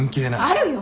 あるよ！